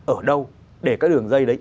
ở đâu để cái đường dây đấy